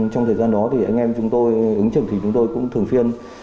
trong thời gian đó thì anh em chúng tôi ứng chứng thì chúng tôi cũng thường phiên